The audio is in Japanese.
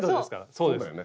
そうだよね。